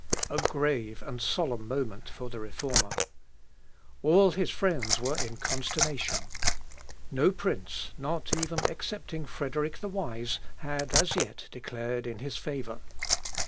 A grave and solemn moment for the Reformer! All his friends were in consternation. No prince, not even excepting Frederick the Wise, had as yet declared in his favour.